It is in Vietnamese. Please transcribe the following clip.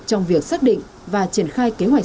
trong việc xác định và triển khai kế hoạch